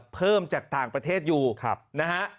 เพิ่มจากต่างประเทศอยู่นะฮะ